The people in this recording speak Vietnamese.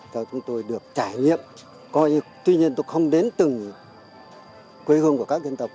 cho chúng tôi được trải nghiệm coi như tuy nhiên tôi không đến từng quê hương của các dân tộc